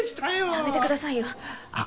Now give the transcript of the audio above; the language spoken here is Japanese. やめてくださいよあっ